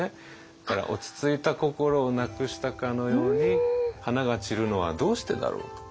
だから落ち着いた心をなくしたかのように「花が散るのはどうしてだろう」と言っている。